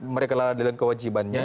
mereka lalai dalam kewajibannya